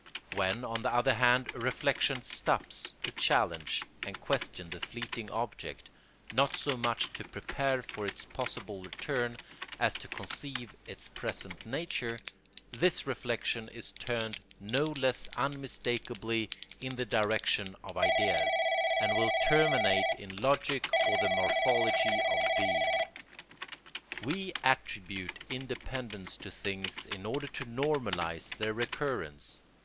When on the other hand reflection stops to challenge and question the fleeting object, not so much to prepare for its possible return as to conceive its present nature, this reflection is turned no less unmistakably in the direction of ideas, and will terminate in logic or the morphology of being. We attribute independence to things in order to normalise their recurrence.